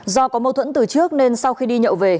do có mâu thuẫn từ trước nên sau khi đi nhậu về